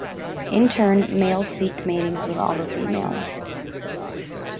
In turn, males seek matings with all the females.